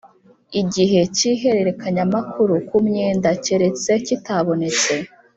Igihe cy’ihererekanyamakuru ku myenda keretse kitabonetse